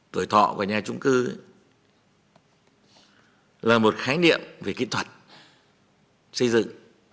tuổi thọ của nhà trung cư là một khái niệm về kỹ thuật xây dựng